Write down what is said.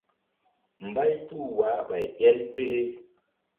Mbay puh wah ɓay el pele.